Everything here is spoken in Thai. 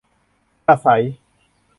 กระษัย